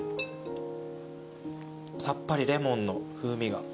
さっぱりレモンの風味が。